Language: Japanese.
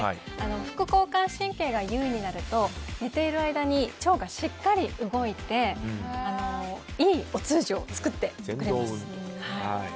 副交感神経が優位になると寝ている間に腸がしっかり動いていいお通じを作ってくれます。